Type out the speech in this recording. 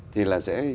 thì là sẽ